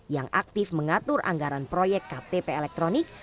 yang aktif mengatur anggaran proyek ktp elektronik